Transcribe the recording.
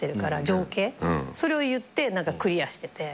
情景それを言ってクリアしてて。